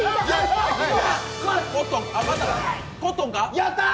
やったー！